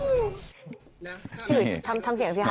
พี่หลุยทำเสียงสิคะ